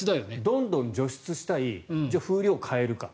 どんどん除湿したいじゃあ、風量を変えるか。